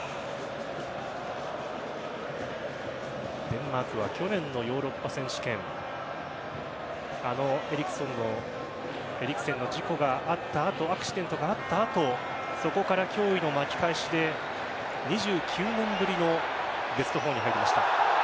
デンマークは去年のヨーロッパ選手権あのエリクセンの事故があった後アクシデントがあった後そこから驚異の巻き返しで２９年ぶりのベスト４に入りました。